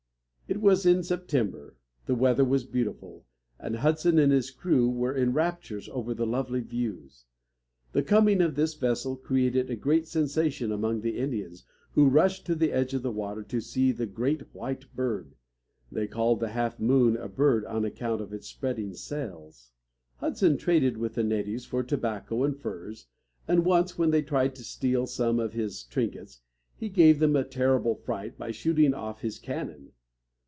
It was in September, the weather was beautiful, and Hudson and his crew were in raptures over the lovely views. The coming of this vessel created a great sensation among the Indians, who rushed to the edge of the water to see the "great white bird." They called the Half Moon a bird on account of its spreading sails. [Illustration: Hudson on the River.] Hudson traded with the natives for tobacco and furs, and once when they tried to steal some of his trinkets he gave them a terrible fright by shooting off his cannon.